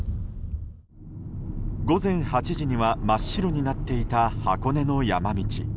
午前８時には真っ白になっていた箱根の山道。